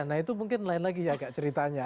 nah itu mungkin lain lagi agak ceritanya